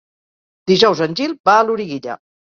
Dijous en Gil va a Loriguilla.